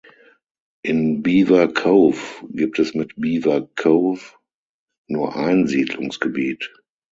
In Beaver Cove gibt es mit "Beaver Cove" nur ein Siedlungsgebiet.